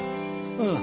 うん。